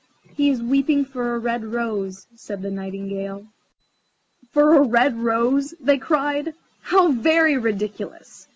"He is weeping for a red rose," said the Nightingale. "For a red rose?" they cried; "how very ridiculous!"